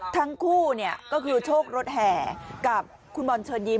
ทั้งคู่ก็คือโชครถแห่กับคุณบอลเชิญยิ้